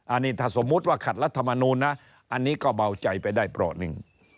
อันนี้ถ้าสมมุติว่าขัดรัฐมนูลนะอันนี้ก็เบาใจไปได้เปราะหนึ่ง